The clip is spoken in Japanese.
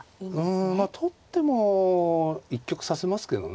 うんまあ取っても一局指せますけどね。